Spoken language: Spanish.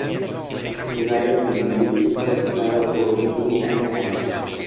Su lugar en Timbiriche fue ocupado por Bibi Gaytán.